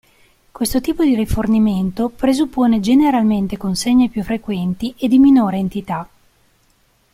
Questo tipo di rifornimento presuppone generalmente consegne più frequenti e di minore entità.